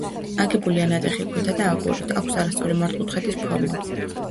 აგებულია ნატეხი ქვითა და აგურით, აქვს არასწორი მართკუთხედის ფორმა.